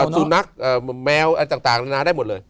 สุนัขแมวอะไรต่างนานาได้หมดเลย